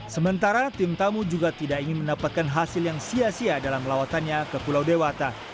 sementara tim tamu juga tidak ingin mendapatkan hasil yang sia sia dalam lawatannya ke pulau dewata